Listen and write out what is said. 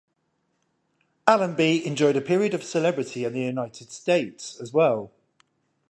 Allenby enjoyed a period of celebrity in the United States, as well.